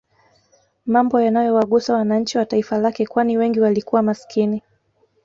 Mambo yanayowagusa wananchi wa taifa lake kwani wengi walikuwa maskini